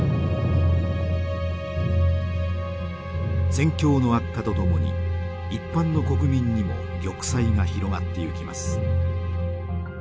戦況の悪化とともに一般の国民にも玉砕が広がっていきます。